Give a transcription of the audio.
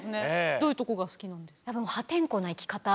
どういうとこが好きなんです？